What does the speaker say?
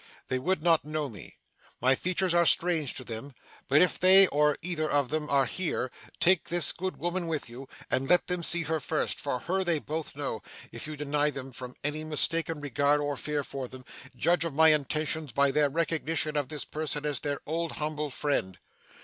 They would not know me. My features are strange to them, but if they or either of them are here, take this good woman with you, and let them see her first, for her they both know. If you deny them from any mistaken regard or fear for them, judge of my intentions by their recognition of this person as their old humble friend.